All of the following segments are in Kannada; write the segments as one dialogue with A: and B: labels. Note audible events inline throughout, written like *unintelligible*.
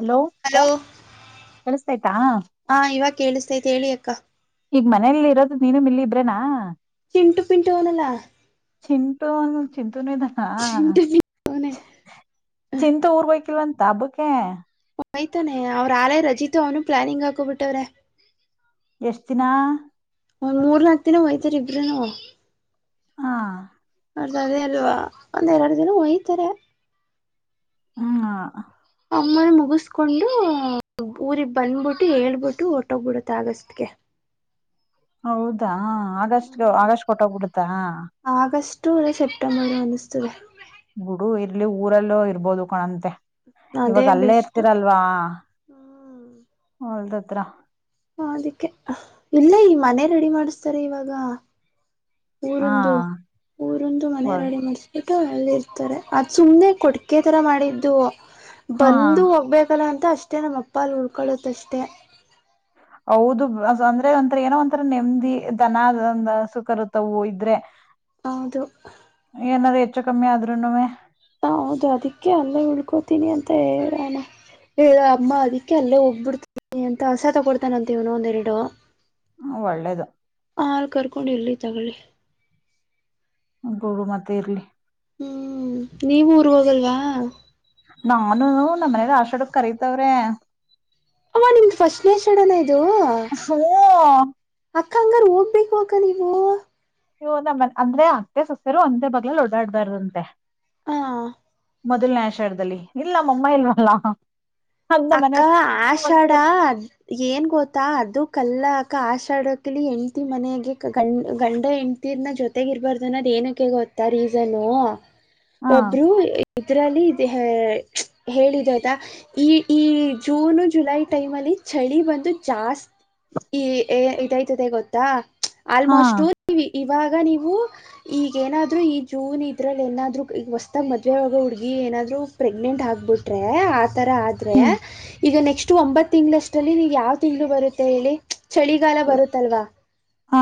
A: ಹಲೋ ಕೇಳಿಸತಯ್ತಾ.
B: ಹಾ ಇವಾಗ ಕೇಳಿಸ್ತೈತೆ ಹೇಳಿ ಅಕ್ಕಾ.
A: ಈಗ ಮನೇಲಿ ಇರೋದು ನೀನು ಮಿಲ್ಲಿ ಇಬ್ರೇನಾ.
B: ಚಿಂಟು ಪಿಂಟು ಅವ್ನಲ್ಲ.
A: ದುನೆದನಾ
B: ಪಿಂಟು ಅವನೇ
A: ಚಿಂತು ಊರ್ಗೋಗ್ತಿಲ್ವಂತ ಹಬ್ಬಕ್ಕೆ.
B: ಆಯ್ತಾನೆ ಅವ್ರ ಆಲೇ ರಜಿತು ಅವ್ನು ಪ್ಲಾನಿಂಗ್ ಹಾಕೋಬಿಟ್ಟವ್ರೆ.
A: ಎಷ್ಟ ದಿನ.
B: ಒಂದ್ ಮೂರ್ನಕ್ ದಿನ ಒಯ್ತರಿ ಇಬ್ರನು.
A: ಹಾ
B: ಅವ್ರ್ದು ಅದೇ ಅಲ್ವಾ ಒಂದ್ ಎರಡು ದಿನ ಹೊಯ್ತರೆ.
A: ಹ್ಮ ಅ
B: ಅಮ್ಮನ ಮುಗಿಸಕೊಂಡು ಊರಿಗ ಬಂದ್ಬಿಟ್ಟು ಹೇಳ್ಬಿಟ್ಟು ಒಟ್ಟೋಗ್ಬಿಡತ್ ಆಗಸ್ಗೆ.
A: ಹೌದಾ ಆಗಸ್ಟ್ ಆಗಸ್ಟ್ ಹೊರ್ಟ್ಟೋಗ್ಬಿಡತಾ.
B: *unintelligible* ರಿ ಸೆಪ್ಟಂಬರ್ ಅನ್ನಿಸ್ತದೆ.
A: ಬುಡು ಇರ್ಲಿ ಊರಲ್ಲೋ ಇರ್ಬೋದು ಕಣಂತೆ. ಇವಾಗ
B: ಅದೇ
A: ಅಲ್ಲೇ
B: ಬೆಸ್ಟ್
A: ಇರ್ತೀರಲ್ವಾ ಹೊಲ್ದತ್ರ.
B: ಹ ಅದಿಕ್ಕೆ ಇಲ್ಲೇ ಈ ಮನೆ ರೆಡಿ ಮಾಡಿಸ್ತಾರೆ ಇವಾಗ.
A: ಹಾ
B: ಊರುದು ಊರುಂದು ಮನೆ ರೆಡಿ ಮಾಡಸ್ಬೇಕ. ಅಲ್ಲಿ ಇರ್ತಾರೆ ಅದು ಸುಮ್ನೆ ಕೊಟ್ಗೆ ತರ ಮಾಡಿದ್ದು
A: ಹಾ
B: ಬಂದು ಹೋಗ್ಬೇಕಲ್ಲ ಅಂತ. ಅಷ್ಟೇ ನಮ್ಮ ಅಪ್ಪ ಅಲ್ಲಿ ಉುಡ್ಕೊಳ್ಳುತ್ತೆ ಅಷ್ಟೇ.
A: ಹೌದು ಅದ್ ಅಂದ್ರೆ ಒಂಥರ ಏನೋ ಒಂಥರ ನೆಮ್ಮದಿ ದನ ಅಂದ್ ಹಸು ಕರುತವು ಇದ್ರೆ.
B: ಹೌದು
A: ಏನಾದ್ರು ಹೆಚ್ಚು ಕಮ್ಮಿ ಆದ್ರುನುವೇ.
B: ಹ ಹೌದು ಅದಕ್ಕೆ ಅಲ್ಲೇ ಉಳ್ಕೋತೀನಿ ಅಂತ ಹೇಳಣ. ಹೇಳ ಅಮ್ಮ ಅದಿಕ್ಕೆ ಅಲ್ಲೇ ಹೋಗಬಿಡ್ತೀನಿ ಅಂತ ಆಸ ತಗೊಡ್ತಾನಂತೀವ್ನು ಒಂದೆರಡು.
A: ಒಳ್ಳೇದು
B: ಹಾಲ ಕರ್ಕೊಂಡು ಇರ್ಲಿ ತಗೊಳ್ಳಿ.
A: ಹಬೌಡು ಮತ್ತೆ ಇರ್ಲಿ.
B: ಹ್ಮ್ ನೀವು ಊರ್ ಹೋಗಲ್ವಾ.
A: ನಮ್ಮನ್ನುನು ನಮ್ಮ ಮನೆಲಿ ಆಷಾಡಕ್ ಕರತವ್ರೆ.
B: ಅಮ್ಮು ನಿಮ್ದ ಫಸ್ಟ್ನೇ ಶಷಣನ ನಿ
A: ಹ್ಮ
B: ಅಕ್ಕ ಹಂಗಾರ ಹೋಗ್ಬೇಕು ಅಕ್ಕ ನೀನು.
A: ನೀವು ನಮ್ಮ ಅಂದ್ರೆ ಆತ್ತೆ ಸೊಸೆರು ಒಂದೇ ಬಗ್ಲಲ್ಲಿ ಓಡಾಡ್ಬಾರ್ದುಂತೆ.
B: ಹಾ
A: ಮೊದಲನೇ ಆಷರದಲ್ಲಿ ಇಲ್ಲ ನಮಮ್ಮ ಇಲ್ವಲ್ಲ. ಹಂಗ ನಮ್
B: ಅಕ್ಕ
A: ಮನೆಯವ್ರ್ ಆಲೆ ಒಂದು
B: ಆಷಾಡ ಅದ ಏನ್ ಗೊತ್ತಾ ಅದು. ಕಲ್ಲ ಅಕ್ಕ ಆಶಾಡಕ್ಲಿ ಎಂಡ್ತಿ ಮನೆಗೆ ಗಂಡ್ ಗಂಡ ಹೆಂಡತಿರ್ನ ಜೊತೆಗ ಇರ್ಬಾರ್ದನ ಏನಕ್ಕೆ ಗೊತ್ತಾ ರೀಸನ್ನು.
A: ಹಾ
B: ಒಬ್ರು ಇದ್ರಲ್ಲಿ ಇದ್ ಹೆ ಹೇಳಿದದ ಈ. ಈ ಜೂನು ಜುಲೈ ಟೈಮ್ ಅಲ್ಲಿ ಚಳಿ ಬಂದು ಜಾಸ್ತಿ. ಈ ಎ ಇದೈತದೆ ಗೊತ್ತಾ
A: ಹಾ
B: ಆಲ್ಮೋಸ್ಟು ಇವಾಗ ನೀವು ಈಗೇನಾದ್ರು ಈ ಜೂನ್ ಇದ್ರಲ್ಲಿ ಏನಾದ್ರು ಈಗ ಹೊಸ್ತಾಗ ಮದ್ವೆ ಅಗೊ ಹುಡುಗಿ. ಏನಾದ್ರು ಪ್ರೆಗ್ನೆಂಟ್ ಆಗ್ಬಿಟ್ರೆ ಆತರ. ಆದರೆ
A: ಹ್ಮ್
B: ಈಗ ನೆಕ್ಸ್ಟ್ ಒಂಬತ್ತು ತಿಂಗಳಷ್ಟಲ್ಲಿ ನೀಗೆ ಯಾವ ತಿಂಗಳು ಬರುತ್ತೆ ಹೇಳಿ. ಚಳಿಗಾಲ ಬರುತ್ತಲ್ವಾ.
A: ಹಾ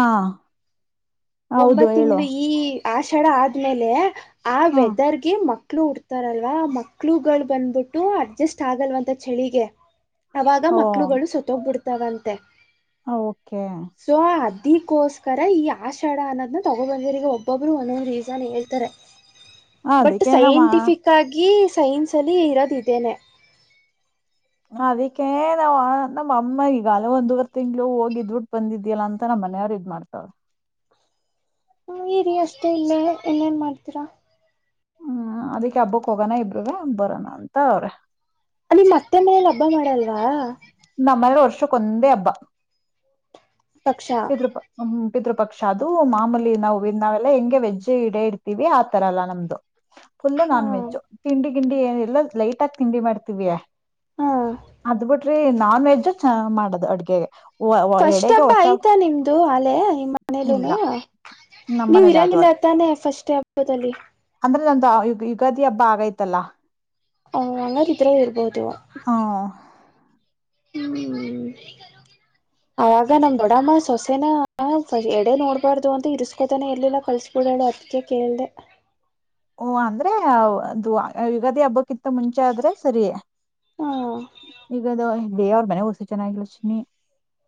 A: ಹೌದು
B: ಒಂಬತ್
A: ಹೇಳು
B: ತಿಂಗಳ ಈ ಆಷಾಡ ಆದ್ಮೇಲೆ ಆ
A: ಹಾ
B: ವೆದರ್ಗೆ ಮಕ್ಳು ಉಡ್ತಾರಲ್ವಾ ಮಕ್ಳುಗಳು ಬಂದ್ಬಿಟ್ಟು. ಟ್ಟ ಅಡ್ಜಸ್ಟ್ ಆಗಲ್ವಂತ ಚಳಿಗೆ ಅವಾಗ ಮಕ್ಳುಗಳು ಸತ್ತೋಗ್ಬಿಡ್ತಾವಂತೆ.
A: ಹ ಓಕೆ
B: ದ ಇದಕ್ಕೋಸ್ಕರ ಈ ಆಷಡ ಅನ್ನೋದನ್ನ ತೊಗೊಬಂದರಿಗೆ ಒಬ್ಬೊಬ್ಬರು ಒಂದೊಂದ್ ರೀಸನ್ ಹೇಳ್ತಾರೆ. ಬಟ್
A: ಅದಕ್ಕೆ ನಮ್ಮ
B: ಸೈಂಟಿಫಿಕಾಗಿ. ಸೈನ್ಸಲ್ಲಿ ಇರೋದಿದೇನೆ
A: ಅದಕ್ಕೆೇ ನಾವು ನಮ್ಮ ಅಮ್ಮ ಆಗಲ ಒಂದವರೆ ತಿಂಗ್ಗಳು ಹೋಗಿದ್ಬ ಬಿಟ್ಟು ಬಂದಿದ್ಯಲ್ಲ ಅಂತ ನಮ್ಮ ಮನೆಯವ್ರಿಗೆ. ಮಾಡ್ತಾವಳೆ
B: ಹ ರಿ ರಷ್ಟೇ ಇನೆ ಇನ್ನೇನ್ ಮಾಡ್ತೀರಾ.
A: ಹ್ಮ್ ಅದಕ್ಕೆ ಹಬ್ಬಕ್ ಹೋಗೋಣ ಇಬ್ರ ವಿಗಿ ಅಂತ ಅವ್ರೆ.
B: ಅಲ್ಲಿ ಮತ್ತೆ ಮೇಲ ಹಬ್ಬ ಮಾಡಲ್ವಾ.
A: ಕ್ಕಂದೇ ಹಬ್ಬ
B: ಪಕ್ಷ
A: ಪಿತೃಪ ಪಿತೃಪ ಅದು ಮಾಮೂಲಿ ನಾವು ಇ ನಾವೆಲ್ಲ ಹಿಂಗೆ ವೆಜ್ಜ್ ಇಡೇ ಇಡ್ತೀವಿ ಆ ತರ ಅಲ್ಲ ನಮ್ದು. ಫುಲ್ಲ
B: ಹ
A: ನಾನ್ ವೆಜ್ಜ್ ತಿಂಡಿ ಗಿಂಡಿ ಏ ಇಲ್ಲ ಲೈಟ್ ಆಗಿ ತಿಂಡಿ ಮಾಡ್ತೀವಿಯಾ.
B: ಹಾ
A: ಅದ್ ಬಿಟ್ರಿ ನಾನ್ ವೆಜ್ಜ ಚೆನ್ನಾಗ ಮಾಡದ ಅಡ್ಗೆಗೆ.
B: ಫಸ್ಟ್
A: ಎಡೆಗೆ
B: ಹಬ್ಬ
A: ಹೊಸ
B: ಆಯ್ತಾ ನಿಮ್ದು ಆಲೆೇ ನಿಮ್ಮ
A: ಇಲ್ಲ
B: ಮನೇಲೂನು.
A: ನಮ್ಮ
B: ನೀವ್
A: ಮನೇಲಿ ಯಾವ್ದು
B: ಇರಂಗಿಲ್ಲ
A: ಆಗಿ
B: ತಾನೆ ಫಸ್ಟ್ ಹಬ್ಬದಲ್ಲಿ.
A: ದ ಯುಗಾದಿ ಹಬ್ಬ ಆಗೈತಲ್ಲ.
B: ಹೂ ಅಂಗರಿ ಇದ್ರ ಇರಬಹುದು
A: ಹ್ಮ *inaudible*
B: ಆಗೆ ನಮ ದೊಡಮ್ಮ ಸೊಸೆನ ಹ ಎಡೆ ನೋಡ್ಬಾರ್ದು ಅಂತ ಇರ್ರಿಸ್ಕೋತಾನೆ ಎಲ್ಲಿಲ್ಲ ಕಳ್ಸ್ಬಿಡನಾ ಅದಕ್ಕೆ ಕೇಳದೆ.
A: ಹೊ ಅಂದ್ರೆ ದು ಯುಗಾದಿ ಹಬ್ಬಕ್ಕಿತ್ತ ಮುಂಚೆ ಆದ್ರೆ ಸರಿಯ
B: ಹಾ
A: ಈಗದ ಲೆ ಅವ್ರ ಮನೆಗ ಹೊಸು ಚೆನ್ನಾಗಿಲಾ ಅಶ್ವಿನಿ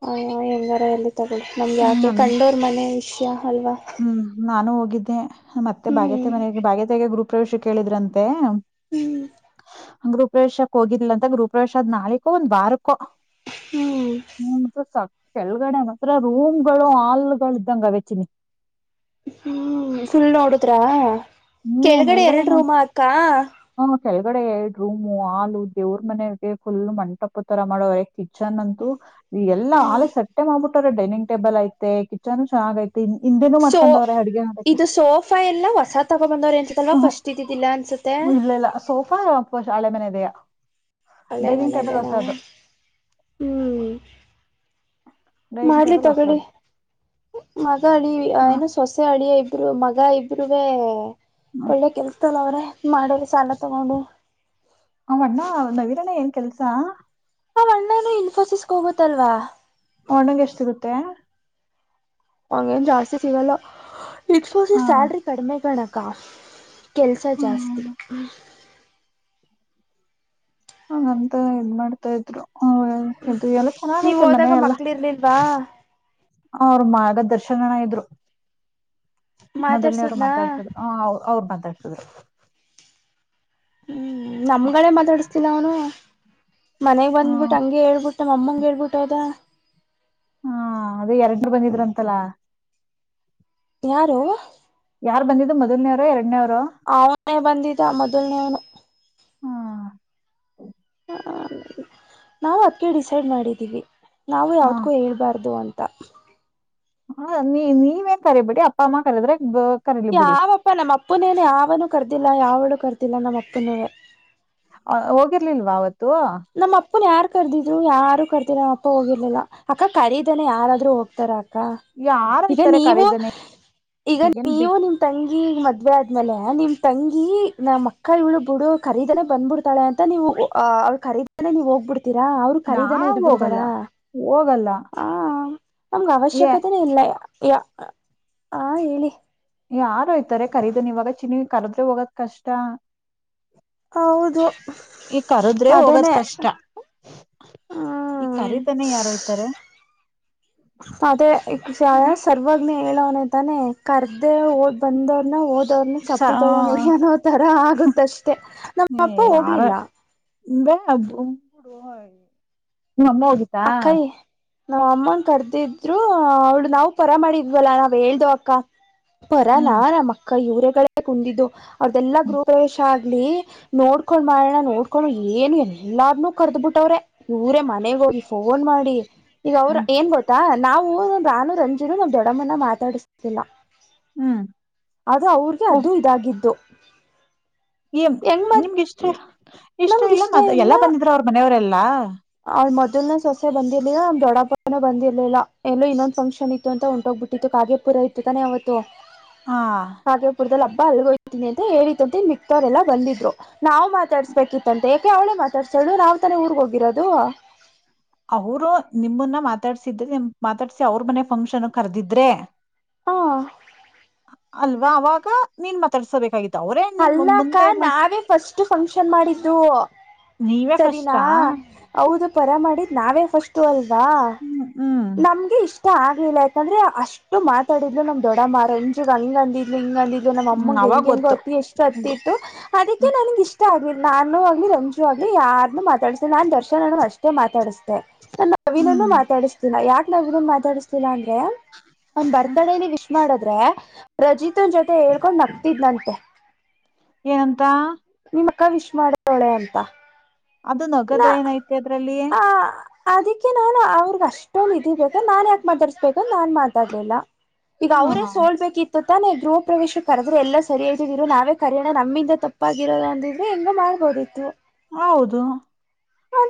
B: ಹ ಎಂಗಾರ ಇರಲ್ಲಿ ತಗೊಳ್ಳಿ ನಮ್ಗೆ
A: ಹ್ಮ್
B: ಯಾಕೆ
A: ನನ್
B: ಕಂಡೋರ್ ಮನೆ ವಿಷ್ಯ.
A: ಹ್ಮ್ ನಾನು ಹೋಗಿದ್ದೆ ಮತ್ತೆ
B: ಹ್ಮ್
A: ಬಾಗ್ಯತೆ ಮನೆಗೆ ಬಾಗ್ಯತೆಗೆ ಗುರು ಪ್ರವೇಶ ಕೇಳಿದ್ರಂತೆ.
B: ಹ್ಮ್
A: ಗುರುಪ್ರವೇಶಕ್ಕ ಹೋಗಿದಿಲ್ಲ ಅಂತ ಗರುಪ್ರವೇಶ ನಾಳಗ ಒಂದ್ ವಾರ ಕೊ
B: ಹ್ಮ್
A: ಮುನಸ ಕೆಳಗಡೆ ಮಾತ್ರ ರೂಮಗಳು ಹಾಲ್ ಇದ್ದಂಗ ವೆ ಚಿನ್ನಿ.
B: ಹ್ಮ್ ಫುಲ್ ನೋಡುದ್ರಾ
A: ಹ್ಮ್
B: ಕೆಳಗಡೆ
A: ಮೇಲ್ಗಡೆ
B: ಎರಡು
A: ನೋಡ್
B: ರೂಮ ಅಕ್ಕ
A: ಹ್ಮ್ ಕೆಳಗಡೆ ಎರಡ ರೂಮು ಹಾಲು ದೇವ್ರ ಮನೆಗೆ ಫುಲ್ ಮಂಟಪ ತರ ಮಾಡೋವರೆ ಕಿಚನ್ ಅಂತೂ ಈ ಎಲ್ಲ ಆಲ
B: ಹ್ಮ್
A: ಸಟ್ಟೆ ಮಾಡ್ಬಿಟ್ಟ್ರ ಡೈನಿಂಗ್ ಟೇಬಲ್ ಐತೆ ಕಿಚನ್ ಚೆನ್ನಾಗ ಐತೆ
B: ಸೋ ಇದು ಸೋಫಾ ಎಲ್ಲ ಹೊಸ ತಗ ಬಂದವ್ರ ಎಂತಲ್ವಾ
A: ಹ್ಮ್
B: ಫಸ್ಟ್ ಇದಿದಲಾ
A: ಇಲ್ಲ ಇಲ್ಲ ಸೋಫಾ ಫಸ್ಟ್ ಹಳೆ ಮನೆ ಇದೆಯಾ
B: ಅಲ್ಲಿ ಮನೆೆ ಇದೆ ನಾ ಹ್ಮ್
A: ಡೈನಿಂಗ್
B: ಮಾಡ್ಲಿ
A: ಟೇಬಲ್
B: ತಗೊಳ್ಳಿ
A: ಹೊಸದು
B: ಮಗ ಅಳಿ
A: ಹ್ಮ್
B: ಏನ ಸೊಸೆ ಅಳಿಯ ಇಬ್ರು ಮಗ ಇಬ್ರೇಗೆ
A: ಹ್ಮ್
B: ಒಳ್ಳೆ ಕೆಲ್ಸಲ್ಲ ಅವ್ರೆ ಮಾಡ್ರ ಸಾಲ ತಗೊಂಡು.
A: ಅವ ಅಣ್ಣ ನವೀನಣ್ಣ ಏನ್ ಕೆಲ್ಸ.
B: ಹ ಅಣ್ಣನು ಇನ್ಫೋಸಿಸಗ ಹೋಗತ್ತಲ್ವಾ
A: ಆ ಅಣ್ಣಾಗ ಎಷ್ಟ್ ಸಿಗುತ್ತೆ
B: ಹಂಗೇನ್ ಜಾಸ್ತಿ ಸಿಗಲ್ಲ ಇನ್ಫೋಸಿಸ್
A: ಹಾ
B: ಸ್ಯಾಲ್ರಿ ಕಡಿಮೆ ಕಣಕ್ಕ. ಕೆಲ್ಸ ಜಾಸ್ತಿ
A: ಹ್ಮ
B: ಹಮ್
A: ಹಾಗಂತ ಇದ್ ಮಾಡ್ತಾ ಇದ್ರು ಹ ಇದು ಎಲ್ಲ
B: ನೀವ್
A: ಚೆನ್ನಾಗೈತೆ ಮನೆ
B: ಹೋದಾಗ
A: ಎಲ್ಲಾ
B: ಮಕ್ಳ ಇರ್ಲಿಲ್ವಾ
A: ಅವ್ರ ಮಗ ದರ್ಶನನ ಇದ್ರು ಮೊದಲ್ನೇವ್ರು
B: ಮಾತಾಡ್ಸುದ್ನಾ
A: ಮಾತಾಡ್ಸದ್ ಹ ಅವ್ರ ಮಾತಾಡ್ಸದ್
B: ಹ್ಮ್ ನಮ್ಗಗಳೇ ಮಾತಾಡಿಸತನ ಅವನು ಮನೆಗ್ ಬಂದ್ಬಿಟ್ಟು ಹಂಗೆ ಹೇಳ್ಬಿಟ್ಟು ನಮ್ಮಂಗಗೆ ಹೇಳ್ಬಿಟ್ಟದ
A: ಹಾ ಅದೇ ಎರಡರು ಬಂದಿದ್ರಂತಲ್ಲ
B: ಯಾರು
A: ಯಾರ್ ಬಂದಿದ್ದ ಮೊದನವರ ಎರಡ್ನೇವರ
B: ಅವನೇ ಬಂದಿದ್ದ ಮೊದಲ್ನೇನು
A: ಹ
B: ನಾವು ಅದಕ್ಕೆ ಡಿಸೈಡ್ ಮಾಡಿದೀವಿ ನಾವು ಯಾವದಕ್ಕೂ ಹೇಳ್ಬಾರ್ದು ಅಂತ ತ್ತ
A: ಹ ನೀ ನೀವೇನ್ ಕರಿಬೇಡಿ ಅಪ್ಪ ಅಮ್ಮ ಕರದ್ರೆ
B: ಯಾವಪ್ಪ ನಮ್ಮ ಅಪ್ಪುನೇನೆ ಯಾವನುೂ ಕರ್ದಿಲ್ಲ ಯಾವಳು ಕರ್ತಿಲ್ಲಾ ನಮ್ಮ ಅಪ್ಪನೇ
A: ಹ ಹೋಗಿರ್ಲಿಲ್ವಾ ಅವತು
B: ಅಪ್ಪನ್ ಯಾರು ಕರ್ದಿದ್ರು ಯಾರು ಕರ್ದಿದರ ನ್ ಅಪ್ಪ ಹೋಗಿರ್ಲಿಲ್ಲ ಅಕ್ಕ ಕರೀದಾನೆ ಯಾರಾದ್ರೂ ಹೋಗ್ತಾರ ಅಕ್ಕ
A: ಯಾರು
B: ಈಗ
A: ಇತಾರೆ
B: ನೀವು
A: ಕರೀದನೆ
B: ಈಗ
A: ಏನ್ ಬಿ
B: ನೀವು ನಿಮ್ ತಂಗಿ ಮದ್ವೆ ಆದ್ಮೇಲೆ ನಿಮ ತಂಗಿ ನಮ್ಮ ಮಕ್ಕ ಇಳು ಬಿಡು ಖರೀದನೆೇ ಬಂದ್ಬಿಡ್ತಾಳೆ ಅಂತ ನೀವು ಅವ ಖರೀದಾನೆ ನೀವ್ ಹೋಗ್ಬಿಡ್ತೀರಾ ಅವರು ಖರೀದಾನೇ
A: ನಾವ್ ಹೋಗಲ್ಲ
B: ಇದ್ಬಿಡ್ತಾರಾ
A: ಹೋಗಲ್ಲ
B: ಹಾ ನಮ್ಗೆ ಅವಶ್ಯಕತೆನೇ ಇಲ್ಲ ಯ ಆ ಹೇಳಿ
A: ಯಾರು ಯ್ತಾರೆ ಕರೀದನ್ ಇವಾಗ ಚಿನ ಕರದ್ರೆ ಹೋಗದ ಕಷ್ಟ
B: ಹೌದು
A: ಈ ಕರದ್ರೆ
B: ಅದೇನೇ
A: ಹೋಗದ್ ಕಷ್ಟ ಈ
B: ಹ್ಮ್
A: ಕರಿದ್ದನೆೆ ಯಾರಯ್ತಾರೆ
B: ಅದೇ ಸರ್ವಾಜ್ಞೆ ಹೇಳುವನ ತಾನೆ ಕರ್ದ ಓದ್ ಬಂದವನ ಓದ ವ್ರನ್ನ ಚಪ್ಪಿ ತಗೊಂಡ ನೋಡಿ ಅನ್ನೋ ತರ ಆಗುತ್ತಷ್ಟೆ ನಮ್ಮ ಅಪ್ಪ ಹೋಗ್ಲಿಲ್ಲ
A: ಬಡು ನಿಮ್ಮ ಅಮ್ಮ ಹೋಗಿತಾ
B: ಅಕ್ಕಯಿ ನಾವ್ ಅಮ್ಮನ್ ಕರ್ದಿದ್ರು ಅವ್ಳು ನಾವವು ಪರ ಮಾಡಿದ್ವಲ್ಲಾ ನಾವ್ ಹೇಳ್ದ ಅಕ್ಕ ಬರಲ್ಲ
A: ಹ್ಮ್
B: ನಮ್ಮ ಅಕ್ಕ ಇವರಗಳೇ ಕುಂದಿದ್ದು ಅವ್ರದೆಲ್ಲಾ
A: ಹ್ಮ್
B: ಗೃಹಪ್ರವೇಶ ಲ್ಲಿ ನೋಡ್ಕೊಂಡ್ ಮಾಡೋಣ ನೋಡ್ಕೊಂಡು ಏನ್ ಎಲ್ಲಾರನುೂ ಕರ್ದ್ ಬಿಿಟ್ಟವ್ರೆ ಇವರೇ ಮನೆಗ ಹೋಗಿ ಫೋನ್ ಮಾಡಿ ಈಗ ಅವ್ರ
A: ಹ್ಮ್
B: ಏನ್ ಗೊತ್ತಾ ನಾವು ನಮ್ಮ ರಾನು ರಂಜೀನು ನಾವ್ ದೊಡ್ಡಮ್ಮನ್ನ ಮಾತಾಡಿಸಿಲ್ಲ
A: ಹ್ಮ್
B: ಅದು ಅವ್ರಗೆ ಅದು ಇದಾಗಿದ್ದು
A: ಏ
B: ಹೆಂಗ್ ಮತ್
A: ನಿಮ್ಗೆ ಇಷ್ಟ ಇಷ್ಟ
B: ನಮ್ಗ
A: ಇಲ್ಲ ಮ ಎಲ್ಲಾ ಬಂದಿದ್ರ ಅವ್ರ ಮನೆಯವರೆಲ್ಲಾ
B: ಅವಳ ಮೊದಲನೇ ಸೊಸೆ ಬಂದಿರಲಿಲ್ಲ ದೊಡ್ಡಪ್ಪ ಅನು ಬಂದಿರಲಿಲ್ಲ ಎಲ್ಲೋ ಇನ್ನೊಂದ್ ಫಂಕ್ಷನ್ ಇತ್ತು ಅಂತ ಹೊಂಟೋಗಿ ಬಿಟ್ಟಿತ್ತು ಕಾಗೇಪುರ ಇತ್ತು ತಾನೆ ಅವತ್ತು
A: ಹ
B: ಕಾಗೇಪುರದಲ್ಲಿ ಹಬ್ಬ ಹಬ್ಬ ಅಲ್ ಹೋಗ್ತೀನಿ ಅಂತ ಹೇಳ ಅಂತ ಮಿಕ್ಕವರೆಲ್ಲ ಬಂದಿದರು ನಾವು ಮಾತಾಡ್ಸಬೇಕಿತ್ತಂತೆ ಏಕೆ ಅವಳೇ ಮಾತಾಡಸಾ ಹೇಳು ನಾವ ತಾನೆ ಊರಿಗೆ ಹೋಗಿರೋದು
A: ಅವರು ನಿಮ್ಮನ್ನ ಮಾತಾಡ್ಸಿದ್ರೆ ನಿಮ್ಮನ ಮಾತಾಡಸಿ ಅವರ ಮನೆ ಫಂಕ್ಷನಗೆ ಕರೆದಿದರೇ
B: ಹಾ
A: ಅಲ್ವಾ ಅವಾಗ ನಿನ್ನು ಮಾತಾಡ್ಸ್ಬೇಕಾಗಿತ್ತು
B: ಅಲ್ಲ ಅಕ್ಕ ನಾವೇ ಫಸ್ಟ್ ಫಂಕ್ಷನ್ ಮಾಡಿದ್ದು
A: ನೀವೇ
B: ಸರಿನಾ
A: ಫಸ್ಟಾ
B: ಹೌದು ಪರ ಮಾಡಿದ ನಾವೇ ಫಸ್ಟ್ ಅಲ್ವಾ
A: ಹ್ಮ್ ಹ್ಮ್
B: ನಮಗೆ ಇಷ್ಟ ಆಗ್ಲಿಲ್ಲ ಯಾಕಂದ್ರೆ ಅಷ್ಟು ಮಾತಾಡಿದ್ಲು ನಮ್ಮ ದೊಡ್ಡಮ್ಮ ರಂಜು ಹಂಗಂದಿದ್ಲು ಹಿಂಗ್ ಅಂದಿದ್ಲು ನಮ್ಮ
A: ಹ್ಮ್
B: ಅಮ್ಮಂಗೆ
A: ಅವಾಗ
B: ಹೆಂಗ ಹೆಂಗೋ
A: ಗೊತ್ತು
B: ಅತಿ ಎಷ್ಟು ಅತ್ತಿದ್ಲು ಅದಕ್ಕೆ
A: ಹ್ಮ್
B: ನನಗೆ ಇಷ್ಟ ಆಗಿಲ್ಲ ನಾನು ಆಗಲಿ ರಂಜು ನಿಜವಾಗಲೂ ಯಾರನ್ನು ಮಾತಾಡಿಸಲಾ ನಾನ ದರ್ಶನ ಅಣ್ಣ ಅಷ್ಟೇ ಮಾತಾಡಸದೇ ನನ್ನ ಪ್ರವೀಣನ್ನು
A: ಹ್ಮ್
B: ಮಾತಾಡಸ ಯಾಕ ನಾನು ವಿನ್ನು ಮಾತಾಡಸಿಲ್ಲ ಅಂದ್ರೆ ಅವನ ಬರ್ತಡೇ ಲಿ ವಿಶ್ ಮಾಡದ್ರೆ ರಜಿತನ ಜೊತೆ ಹೇಳ್ಕೊಂಡು ನಗ್ತಿದ್ನಂತೆ
A: ಏನಂತ
B: ನಿಮ್ ಅಕ್ಕ ವಿಶ್ ಮಾಡ್ತಾಳೆ ಅಂತ
A: ಅದು ನಗೋದು
B: ನಾ
A: ಏನು ಐತಿ ಅದರಲ್ಲಿ
B: ಆ ಅದಕ್ಕೆ ನಾನು ಅವರಿಗೆ ಅಷ್ಟೊಂದು ವಿಧಿ ಬೇಕ ನಾನ ಯಾಕೆ ಮಾತಾಡ್ಸಬೇಕು ನಾನ ಮಾತಾಡಲಿಲ್ಲ ಈಗ ಅವರೇ
A: ಹ್ಮ
B: ಸೋಲಬೇಕಿತ್ತ ತು ತಾನೇ ಗೃಹ ಪ್ರ್ರವೇಶಕ್ಕೆ ಕರೆದ್ರೆ ಎಲ್ಲ ಸರಿ ಹೋಯ್ತದೆ ಇರೋ ನಾವೇ ಕರೆಯೋಣ ನಮ್ಮಿಂದ ತಪ್ಪಾಗಿರೋದು ಅಂದಿದ್ರೆ ಹೆಂಗ ಮಾಡಿ ಹೋಗಿದ್ದು-
A: ಹೌದು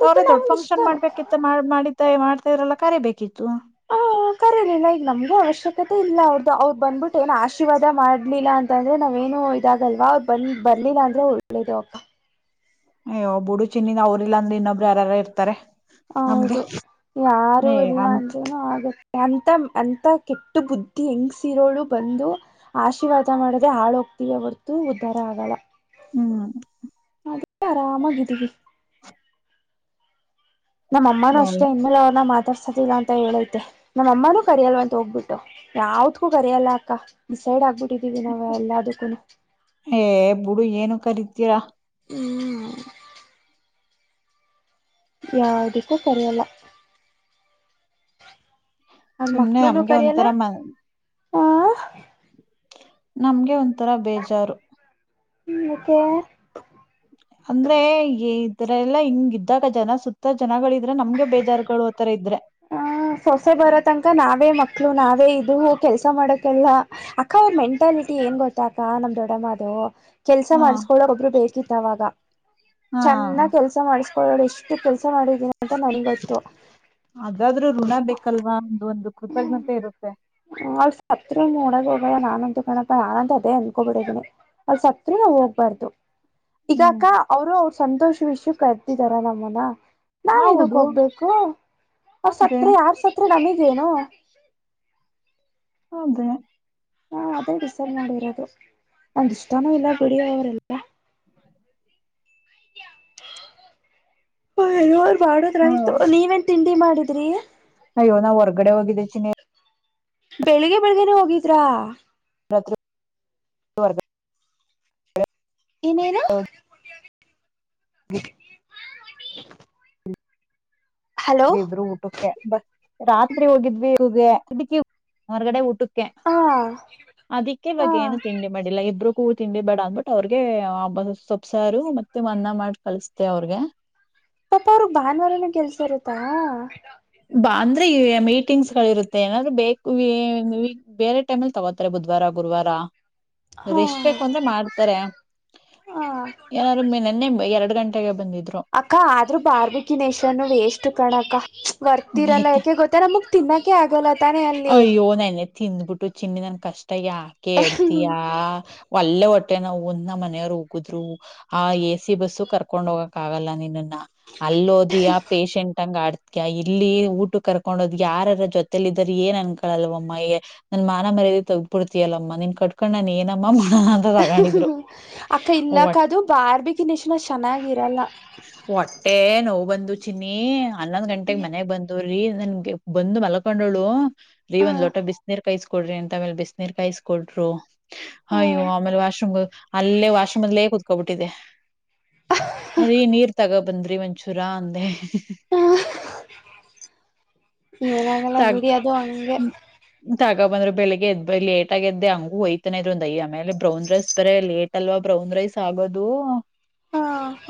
A: ಅವ್ರೇ ದೊಡ್ಡ
B: ನಮ್ಗ ಇಷ್ಟ
A: ಫಂಕ್ಷನ್ ಮಾಡ್ಬೇಕಿತ್ತ ಮಾಡ ಮಾಡಿದ್ದ ಮಾಡ ಮನೆಯವರೆಲ್ಲ ಕರಿ ಬೇಕಿತ್ತು
B: ಕರಿಲಿಲ್ಲ ನಮಗೂ ಅವಶ್ಯಕತೆ ಇಲ್ಲ ಅವರು ಬಂದ್ಬಿಟ್ಟು ಏನ ಆಶೀರ್ವಾದ ಮಾಡ್ಲಿಲ್ಲ ಅಂದ್ರೆ ನಾವ ಏನ ಏನು ಇದಾಗಲ್ವಾ ಅವರ ಬಂದ ಬರ್ಲಿಲ್ಲ ಅಂದ್ರೆ ಒಳ್ಳೆಯದು
A: ಅಯ್ಯೋ ಬುಡು ಚಿನ್ನಿ ನಾವು ಹೋಗಲಿಲ್ಲ ಅಂದ್ರೆ ಇನ್ನೊಬ್ರು ಯಾರಾರು ಇರುತ್ತಾರೆ
B: ಹೌದು ಯಾರು ಇಲ್ಲ
A: ಅಂತ
B: ಅಂದ್ರೂನು ಆಗತ್ತೆ ಅಂತಾ ಅಂತ ಅಂತ ಕೆಟ್ಟ ಬುದ್ಧಿ ಹೆಂಗಸ ಇರೋಳು ಬಂದು ಆಶೀರ್ವಾದ ಮಾಡದೆ ಹಾಳ ಹೋಗ್ತಿವಿ ಹೊರತು ಉದಾ ಉದ್ದಾರ ಆಗೋಲ್ಲ
A: ಹು
B: ಅದಕ್ಕೆ ಆರಾಮಾಗಿದೀವಿ *unintelligible* ನಮ್ಮ ಅಮ್ಮನು ಅಷ್ಟೇ
A: ಒಳ್ಳೆ
B: ಇನ್ಮೇಲೆ ಅವರನಾ ಮಾತಡಸ ಸತಿಲ್ಲ ಅಂತ ಹೇಳೈತೆ ನಮ್ಮ ಅಮ್ಮನೂ ಅಂತೆ ಕರೆಯೋಲ್ಲ ಅಂತ ಹೋಗ್ಬಿಟ್ಟು ಯಾವುದಕ್ಕೂ ಕರೆಯೋಲ್ಲ ಅಕ್ಕ ಡಿಸೈಡ್ ಆಗ್ಬಿಟ್ಟೆ ಗಟ್ಟಿ ಇದ್ದೀವಿ ನಾವು ಎಲ್ಲದಕ್ಕೂ ನೋ
A: ಏ ಬುಡು ಏನು ಕರಿತೀರಾ
B: ಹು ಯಾವದಿಕ್ಕೂ ಕರಿಯೊಲ್ಲ ಅವರ
A: ಸುಮ್ನೆ
B: ಮಕ್ಕಳನು
A: ನಮ್ಗೆ
B: ಕರೆಯಲ್ಲ
A: ಒಂಥರ ಮ
B: ಹಾ
A: ನಮಗೆ ಒಂಥರಾ ಬೇಜಾರು
B: ಹು ಮತ್ತೆ
A: ಅಂದ್ರೆ ಇತರ ಎಲ್ಲ ಹಿಂಗ ಇದ್ದಾಗ ಜನ ಸುತ್ತ ಜನಗಳವಿ
B: ಹಾ ಸೊಸೆ ಬರೋ ತನಕ ನಾವೇ ಮಕ್ಕಳು ನಾವೇ ಇದು ಇವು ಕೆಲಸ ಮಾಡಕಲ್ಲ ಅಕ್ಕ ಅವರ ಮೆಂಟಾಲಿಟಿ ಏನ್ ಗೊತ್ತ ಅಕ್ಕ ನಮ್ಮ ದೊಡ್ಡಮ್ಮ ಅದು ಕೆಲಸ
A: ಹ
B: ಮಾಡಿಸ್ಕೊಳ್ಳೋಕೆ ಒಬ್ರು ಬೇಕಿತ್ತ ಅವಾಗ
A: ಹಾ
B: ಚೆನ್ನಾಗಿ ಕೆಲಸ ಮಾಡಿಸ ಎಷ್ಟು ಕೆಲಸ ಮಾಡಿದ್ದೀನಿ ನಾನು
A: ಅದಾದರೂ ಋಣ ಬೇಕಲ್ವಾ ಒಂದು ಕೃತಜ್ಞತೆ ಇರುತ್ತೆ
B: ಅಲ್ಲಿ ಸತ್ರು ನೋಡಕ ಹೋಗಲ್ಲ ನಾನಂತೂ ಕಣಪ ಆಗದೆ ಅಂದುಕೊಂಡು ಬಿಟ್ಟಿದ್ದೇನೆ ಅವಳ ಸತ್ರು ನಾವು ಹೋಗ್ಬಾರ್ದು ಈ
A: ಹ್ಮ್
B: ಅಕ್ಕ ಅವರು ಅವರ ಸಂತೋಷ ವಿಷಯ ಕರೆದಿದ್ದಾರೆ ನಮ್ಮನ್ನ
A: ಹೌದು
B: ನಾವೇನಕ್ ಹೋಗ್ಬೇಕು ಅವರ
A: ಅದೇ
B: ಸತ್ರೆ ಯಾರ ಸತ್ರೆ ನಮಗೇನು
A: ಹೌದ
B: ಹಾ ಅದೇ ದಸರ್ ನೋಡಿರೋದ್ರು ಒಂದ್ ಇಷ್ಟಾನೂ ಇಲ್ಲ ಬಿಡಿಯೋ ಅವರೆಲ್ಲ ಹನೋ ಮಾಡದ್ರ
A: ಹಾ
B: ಆಯ್ತು ನೀವೇನ್ ತಿಂಡಿ ಮಾಡಿದ್ರಿ
A: ಹ ಇವ ನ ಹೊರ್ಗಡೆ ಹೋಗಿದ್ದ ಚ ನೀ
B: ಬೆಳಿಗ್ಗೆ ಬೆಳಿಗ್ಗೆನೆ ಹೋಗಿದ್ರಾ
A: ರತ್ರ
B: ಇನೇನು
A: ವಿಬ್ರು ಊಟಕ್ಕೆ ರಾತ್ರಿ ಹೋಗಿದ್ವಿ ಹ ಅದಕ್ಕೆ ಹೊರ್ಗಡೆ ಊಟಕ್ಕೆ
B: ಹಾ
A: ಅದಕ್ಕೆ
B: ಹಾ
A: ಇವಾಗ ಏನು ತಿಂಡಿ ಮಾಡಿಲ್ಲ ಇಬ್ಬರು ಕೂ ತಿಂಡಿ ಬೇಡ ಅಂದ್ಬಿಟ್ಟ ಅವ್ರಿಗೆಬ್ಬ ಸೊಬ್ಸಾರು ಮತ್ತೆ ಮನ್ನ ಮಾಡ ಕಲ್ಸತೆ ಅವ್ರಿಗೆ
B: ಪಪಾ ಅವ್ರಗ್ ಭಾನುವಾರನ ಕೆಲ್ಸ ಇರುತ್ತಾ
A: ಬಾ ಅಂದ್ರೆ ಈ ಮೀಟಿಂಗ್ಸ್ ಗಳು ಇರುತ್ತೆ ಏನಾದ್ರು ಬೇಕಕ್ ಬೇರೆ ಟೈಮ್ಲ್ಲಿ ತಗೋತಾರೆಬಹ ಗುದ್ವಾರ ಗುರುವವಾರಾ
B: ಹಾ
A: ಎಷ್ಟ್ ಬೇಕು ಅಂದ್ರೆ ಮಾಡ್ತಾರೆ
B: ಹಾ
A: ಏನಾದಾರು ನೆನ್ನೆ ಎರಡು ಗಂಟೆಗೆ ಬಂದಿದ್ದಿದೆ
B: ಅಕ್ಕ ಆದ್ರೂ ಬಾರ್ಬಿಕಿನೇಶನು ವೇಷ್ಟಟ್ ಕಣಕ್ಕ ಬರ್ತಿರಲ್ಲ
A: ಏಕೆ
B: ಯಾಕೆ ಗೊತ್ತ ನಮಗ್ ತಿನ್ನೋಕೆ ಆಗಲ್ಲ ತಾನೇ ಅಲ್ಲಿ
A: ಚಿನ್ನದನ್ ಕಷ್ಟ ಯಾಕೆ ಹೇಳ್ತಯಾ ಒಲ್ಲೆ ಒಟ್ಟು ಹೊಟ್ಟೆ ನೋವು *unintelligible* ಒಂದ್ ನಮ್ ಮನೆಯವರು ಹೋಗುದ್ರು ಆ ಎ ಸಿ ಬಸ್ಸು ಕರ್ಕೊಂಡ್ ಹೋಗಕ್ ಆಗಲ್ಲ ನೀನ್ನನ್ನ. ನ್ ಅಲ್ಲೋದಿಯ ಪೇಶಷಂಟ್ಂಗ ಆಡ್ತೀಯಾ ಇಲ್ ಇಲ್ಲಿ ಊಟ ಕರ್ಕೊಂಡೋದ್ ಯಾರಾರ ಜೊತೆೇಲಿದ್ದೊರ ಏನ್ ಅನ್ಕೊಳ್ಳಲ್ವಮ್ಮಗೆ ನನ್ ಮಾನ ಮರ್ಯದೆ ತ ಪಡ್ತಿಯಲ್ಲಮ್ಮ ನೀನ್ ಕಕೊಂಡ್ನ್ ಏನಮ್ಮ ಮಾಡ
B: ಅಕ್ಕ ಇಲ್ಲಕ್ಕ
A: ಹೊಟ್
B: ಅದು ಬಾರ್ಬಿ *unintelligible* ಗನ್ರರಶನ ಚೆನ್ನಾಗಿರಲ್ಲ
A: ಹೊಟ್ಟೆ ನೋವು ಬಂದು ಚಿನ್ನಿ ಹನ್ನೊಂದ್ ಗಂಟೇಗ್ ಮನೆಗ್ ಬಂದು. ರೀ ನನ್ಗೆ ಬಂದು ಮಲ್ಕೊಂಡೋಳು ರೀ
B: ಹ
A: ಒಂದ್ ಲೋಟ ಬಿಸಿನೀರ್ ಕಾಯಿಸ್ ಕೊಡ್ರಿ ಅಂತ ಆಮೇಲ ಬಿಸಿನೀರ್ ಕಾಯಿಸಕ ಕೊಟ್ರೂ ಅಯ್ಯೋ
B: ಹ
A: ಆಮೇಲೆ ವಾಶ್ರೂಮ್ಗ ಹೋಗಿ ಅಲ್ಲೇ ವಾಶ್ರೂಮಲ್ಲೇ ಕುತ್ಕೋಬಿಟ್ಟಿದೆ. ರಿ ನೀರ್ ತಗೋ ಬಂದ್ರಿ ವಂಚೂರಾ ಅಂದೆ.
B: ಏನಾಗಲ್ಲ ಬಿಡಿ ಅದು ಹಂಗೆ.
A: ತಗ ಬಂದ್ರ ಬೆಳಿಗ್ಗೆದ್ ಲೇಟಾಗೆದ್ದೆ ಹಂಗೂ ಒಯ್ತನಿರೋದೆ ಆಮೇಲೆ ಬ್ರೌನ್ ರೆಸ್ ಬೇರೇ ಲೇಟ್ ಅಲ್ವಾ. ಬ್ರೌನ್ ರೈಸ್ ಆಗೋದು
B: ಹ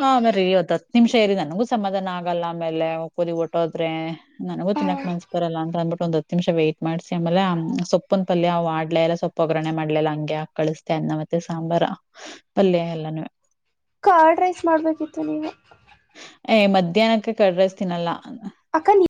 A: ಆಮೇ *unintelligible* ಹೊತತ್ *unintelligible* ಹತ್ ನಿಮ್ಷ ರಿ ನನಗೂ ಸಮಾಧಾನ ಆಗಲ್ಲ ಆಮೇಲೆ *unintelligible* ಒ ಕೋುದಿ ಹೊರಟೋದ್ರೆ ನನಗೂ
B: ಹ
A: ತಿನ್ನಕ್ ಮನ್ಸ್ ಬರಲ್ಲಂತ ಅಂದಬಿಟ್ಟು ಒಂದ ಹತ್ ನಿಮಿಷ ವೈಟ್ ಮಾಡಸಿ ಆಮೇಲೆಹ ಸೊಪ್ಪೊಂದ ಪಲ್ಯ್ ವಾಡ್ಲಲೆಲ್ ಸೊಪ್ ಒಗರಣೆ ಮಾಡ್ಲೆಲ್ಲ ಲ ಹಂಗೆ ಹಾಕ್ ಕಳಸದೆ ಅನ್ನ ಮತ್ತೆ ಸಾಂಬಾರ ಪಲ್ಯ ಎಲ್ಲಾನು
B: ಕಾರ್ಡ್ ರೈಸ್ ಮಾಡ್ಬೇಕಿತ್ತು ನೀವು.
A: ಏ ಮಧ್ಯಾಹ್ನಕ್ಕೆ ಕಡ್ರಸ್ತೀನಲ್ಲಾ.
B: ಅಕ್ಕ ನೀ